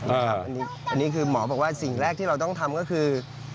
อันนี้คือหมอบอกว่าสิ่งแรกที่เราต้องทำก็คือ